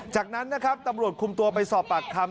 จากนั้นนะครับตำรวจคุมตัวไปสอบปากคำ